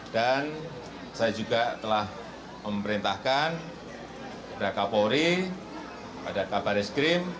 dan saya juga telah memerintahkan raka polri pada kabar eskrim